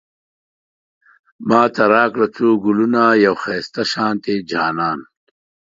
ماته راکړه څو ګلونه، يو ښايسته شانتی جانان